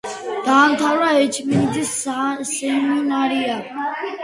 დაამთავრა ეჩმიაძინის სემინარია.